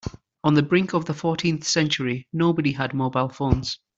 On the brink of the fourteenth century, nobody had mobile phones.